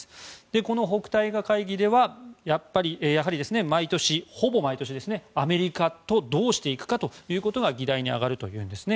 この北戴河会議ではやっぱり毎年、ほぼ毎年ですねアメリカとどうしていくかということが議題に挙がるというんですね。